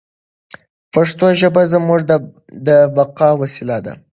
پښتو ژبه زموږ د بقا وسیله ده.